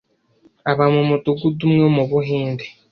Aba mu mudugudu umwe wo mu Buhinde.